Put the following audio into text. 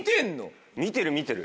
見てる見てる。